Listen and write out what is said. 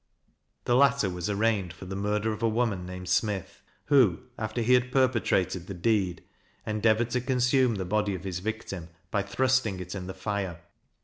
The latter was arraigned for the murder of a woman named Smith, who, after he had perpetrated the deed, endeavoured to consume the body of his victim, by thrusting it in the fire.